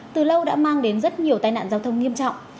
từ lâu đã mang đến rất nhiều tai nạn giao thông nghiêm trọng